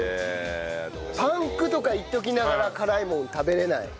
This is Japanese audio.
パンクとか言っときながら辛いもん食べられない。